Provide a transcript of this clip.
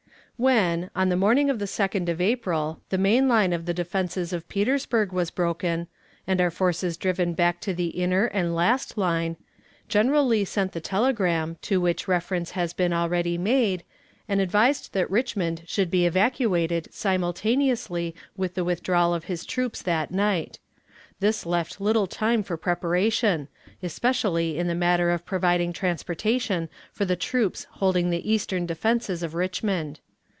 When, on the morning of the 2d of April, the main line of the defenses of Petersburg was broken, and our forces driven back to the inner and last line, General Lee sent the telegram, to which reference has been already made, and advised that Richmond should be evacuated simultaneously with the withdrawal of his troops that night. This left little time for preparation, especially in the matter of providing transportation for the troops holding the eastern defenses of Richmond.